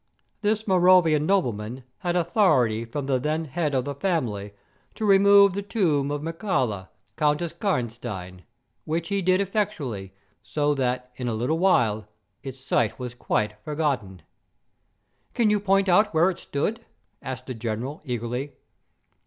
"This Moravian nobleman had authority from the then head of the family to remove the tomb of Mircalla, Countess Karnstein, which he did effectually, so that in a little while its site was quite forgotten." "Can you point out where it stood?" asked the General, eagerly.